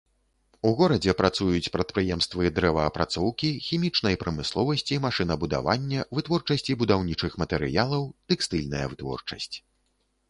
У горадзе працуюць прадпрыемствы дрэваапрацоўкі, хімічнай прамысловасці, машынабудавання, вытворчасці будаўнічых матэрыялаў, тэкстыльная вытворчасць.